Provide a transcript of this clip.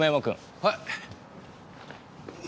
はい！